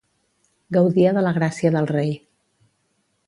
Gaudia de la gràcia del rei.